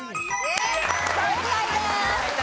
正解です。